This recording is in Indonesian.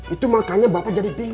itu makanya bapak jadi bingung